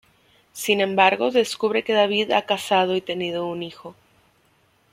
Sin embargo, descubre que David ha casado y tenido un hijo.